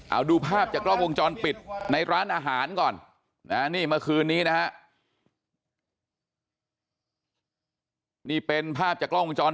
เอาดูภาพจากกล้องวงจรปิดในร้านอาหารก่อนนะนี่เมื่อคืนนี้นะฮะ